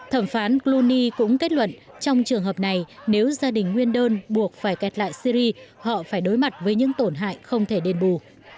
thẩm phán bruni cũng kết luận trong trường hợp này nếu gia đình nguyên đơn buộc phải kẹt lại syri họ phải đối mặt với những tổn hại không thể đền bù